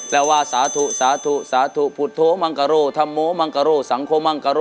แล้วว่าสาธุสาธุสาธุพุทธโธมังกะโรธัมโมมังกะโร่สังคมังกะโร